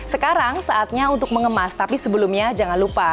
sekarang saatnya untuk mengemas tapi sebelumnya jangan lupa